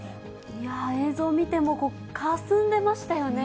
いやー、映像を見ても、かすんでましたよね。